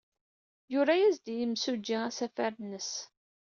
Yura-as-d yimsujji asafar-nnes.